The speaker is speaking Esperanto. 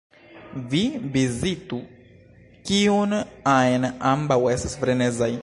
Vi vizitu kiun ajn; ambaŭ estas frenezaj.